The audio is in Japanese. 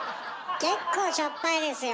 結構しょっぱいですよ。